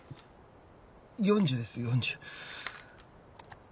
４０です４０。